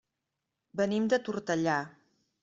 Venim de Tortellà.